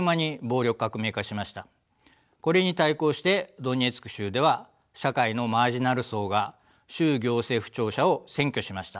これに対抗してドネツク州では社会のマージナル層が州行政府庁舎を占拠しました。